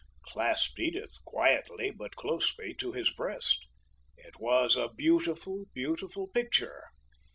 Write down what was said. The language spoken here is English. Clasped Edith quietly but closely to his breast. It was a beautiful, beautiful picture!